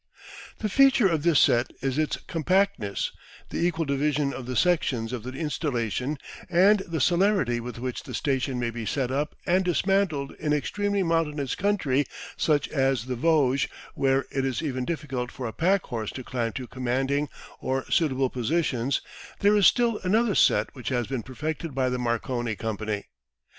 The feature of this set is its compactness, the equal division of the sections of the installation, and the celerity with which the station may be set up and dismantled in extremely mountainous country such as the Vosges, where it is even difficult for a pack horse to climb to commanding or suitable positions, there is still another set which has been perfected by the Marconi Company.